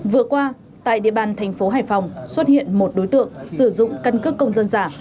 vừa qua tại địa bàn thành phố hải phòng xuất hiện một đối tượng sử dụng căn cước công dân giả